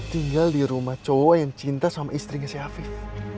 tinggal di rumah cowok yang cinta sama istrinya si afif